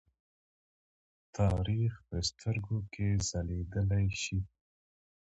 تاریخ په سترګو کې ځليدلی شي.